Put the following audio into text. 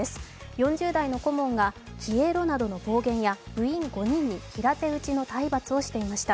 ４０代の顧問が消えろなどの暴言や部員５人に平手打ちの体罰をしていました。